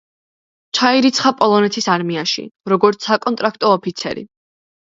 ჩაირიცხა პოლონეთის არმიაში, როგორც საკონტრაქტო ოფიცერი.